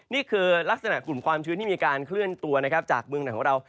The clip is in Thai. นี่คือลักษณะขุมความชื้นที่มีการเคลื่อนตัวจากเมืองหนังของเรา